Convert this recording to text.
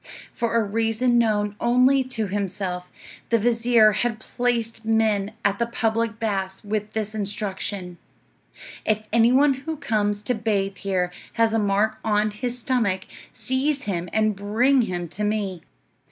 For a reason known only to himself, the vizir had placed men at the public baths with this instruction: "If any one who comes to bathe here has a mark on his stomach, seize him and bring him to me."